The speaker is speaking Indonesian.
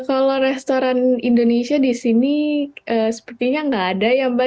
kalau restoran indonesia di sini sepertinya nggak ada ya mbak